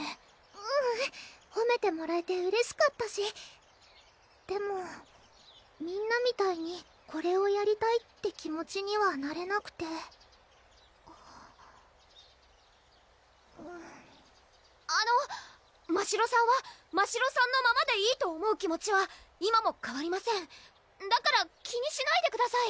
ううんほめてもらえてうれしかったしでもみんなみたいにこれをやりたいって気持ちにはなれなくてあっうーんあのましろさんはましろさんのままでいいと思う気持ちは今もかわりませんだから気にしないでください